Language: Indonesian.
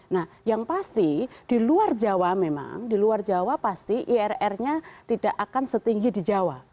nah yang pasti di luar jawa memang di luar jawa pasti irr nya tidak akan setinggi di jawa